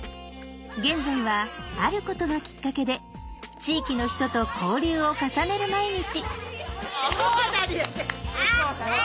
現在はあることがきっかけで地域の人と交流を重ねる毎日。